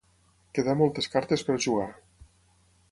Quedar moltes cartes per jugar.